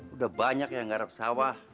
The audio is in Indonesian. udah banyak yang garap sawah